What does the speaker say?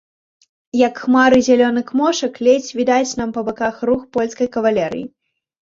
Як хмары зялёных мошак, ледзь відаць нам па баках рух польскай кавалерыі.